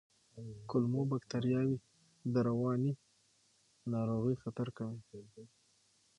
کولمو بکتریاوې د رواني ناروغیو خطر کموي.